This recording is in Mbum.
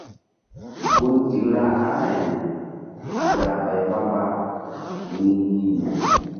Gun tikla aŋayri garɓay mbamba mi yih.